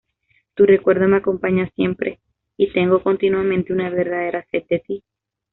Tu recuerdo me acompaña siempre, y tengo continuamente una verdadera sed de ti.